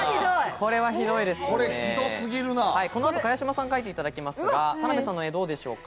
この後、茅島さん描いていただきますが、田辺さんの絵、どうですか？